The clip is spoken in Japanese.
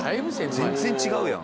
全然違うやん。